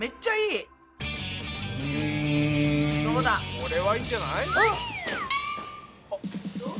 これはいいんじゃない？